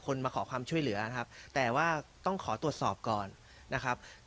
มาขอความช่วยเหลือนะครับแต่ว่าต้องขอตรวจสอบก่อนนะครับ